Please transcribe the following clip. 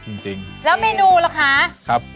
โอ้แซ็บมาก